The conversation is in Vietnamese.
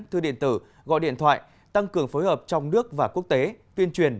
thư điện tử gọi điện thoại tăng cường phối hợp trong nước và quốc tế tuyên truyền